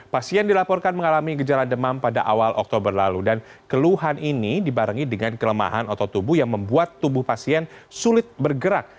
pasien dilaporkan mengalami gejala demam pada awal oktober lalu dan keluhan ini dibarengi dengan kelemahan otot tubuh yang membuat tubuh pasien sulit bergerak